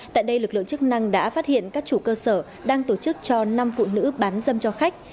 tại đây lực lượng chức năng đã phát hiện các chủ cơ sở đang tổ chức cho năm phụ nữ bán dâm cho khách